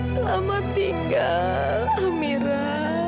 selamat tinggal amira